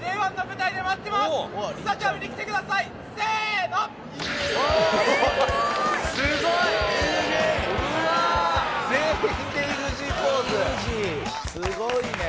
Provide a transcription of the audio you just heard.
すごいね。